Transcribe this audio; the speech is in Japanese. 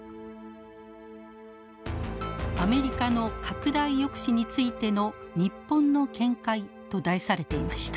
「アメリカの拡大抑止についての日本の見解」と題されていました。